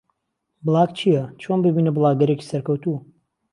بڵاگ چییە؟ چۆن ببینە بڵاگەرێکی سەرکەوتوو؟